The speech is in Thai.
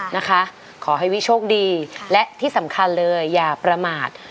นะคะขอให้วิโชคดีและที่สำคัญเลยอย่าประมาท